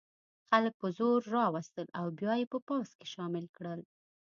خلک په زور را وستل او بیا یې په پوځ کې شامل کړل.